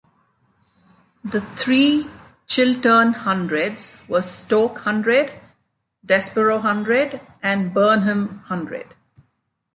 The three Chiltern Hundreds were Stoke Hundred, Desborough Hundred, and Burnham Hundred.